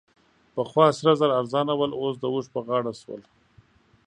پخوا سره زر ارزانه ول؛ اوس د اوښ په غاړه شول.